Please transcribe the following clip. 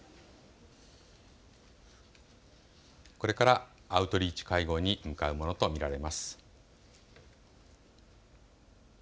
これからアウトリーチ会合に向かうものと見られます。